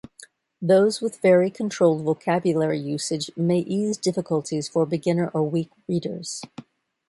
Those with very controlled vocabulary usage may ease difficulties for beginner or weak readers.